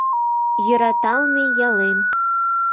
Йӧраталме ялем!